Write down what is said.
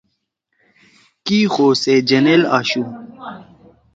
کی خو سے جنئیل آشو